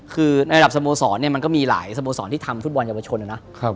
คือในระดับสโมสรเนี่ยมันก็มีหลายสโมสรที่ทำฟุตบอลเยาวชนนะนะ